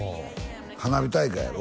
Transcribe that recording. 花火大会やろ？